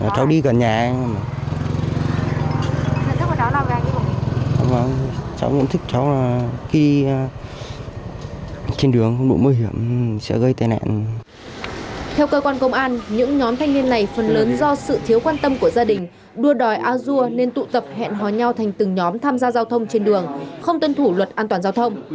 theo cơ quan công an những nhóm thanh niên này phần lớn do sự thiếu quan tâm của gia đình đua đòi azure nên tụ tập hẹn hòa nhau thành từng nhóm tham gia giao thông trên đường không tuân thủ luật an toàn giao thông